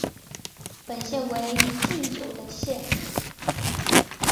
本县为一禁酒的县。